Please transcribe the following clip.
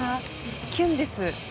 キュンです。